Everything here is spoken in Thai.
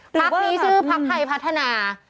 พรรคนี้ชื่อพรรคไทยพัฒนา